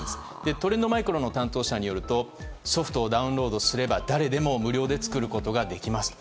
トレンドマイクロの担当者によるとソフトをダウンロードすれば誰でも無料で作ることができますと。